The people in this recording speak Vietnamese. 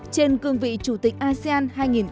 trên cương vị chủ tịch asean hai nghìn hai mươi